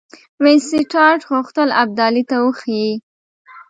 وینسیټارټ غوښتل ابدالي ته وښيي.